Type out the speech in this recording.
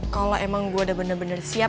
kalau emang gue udah bener bener siap